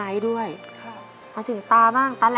แต่ที่แม่ก็รักลูกมากทั้งสองคน